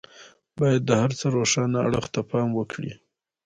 بايد د هر څه روښانه اړخ ته پام وکړي.